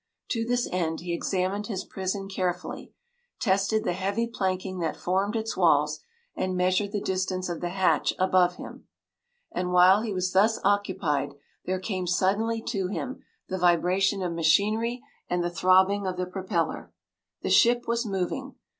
To this end he examined his prison carefully, tested the heavy planking that formed its walls, and measured the distance of the hatch above him. And while he was thus occupied there came suddenly to him the vibration of machinery and the throbbing of the propeller. The ship was moving!